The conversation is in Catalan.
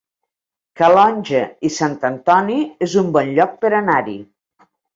Calonge i Sant Antoni es un bon lloc per anar-hi